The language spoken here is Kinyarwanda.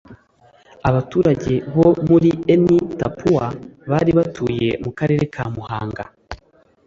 abaturage bo muri Eni Tapuwa bari batuye mu karere ka muhanga